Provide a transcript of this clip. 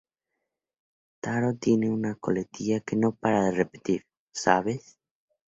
Taro tiene una coletilla que no para de repetir "¿sabes?".